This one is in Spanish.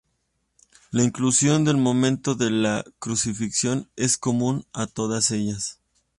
La inclusión del momento de la crucifixión es común a todas ellas.